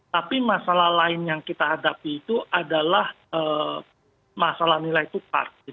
tapi masalah lain yang kita hadapi itu adalah masalah nilai tukar